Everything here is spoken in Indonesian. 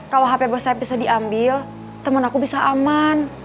kalau hp bos saeb bisa diambil temen aku bisa aman